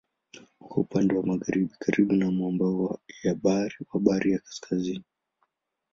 Uko upande wa magharibi karibu na mwambao wa Bahari ya Kaskazini.